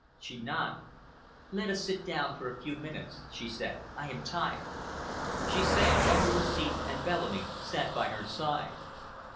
She nodded. "Let us sit down for a few minutes," she said. "I am tired." She sank on to a seat and Bellamy sat by her side.